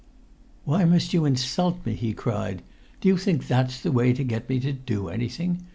"Why must you insult me?" he cried. "Do you think that's the way to get me to do anything?